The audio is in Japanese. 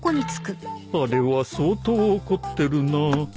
あれは相当怒ってるな